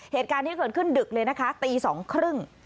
เหตุการณ์ที่เกิดขึ้นดึกเลยนะคะตี๒๓๐น